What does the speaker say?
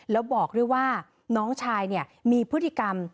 แล้วบอกด้วยว่าน้องชายมีพฤติกรรม